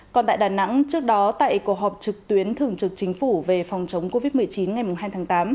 còn tại đà nẵng trước đó tại cuộc họp trực tuyến thường trực chính phủ về phòng chống covid một mươi chín ngày hai tháng tám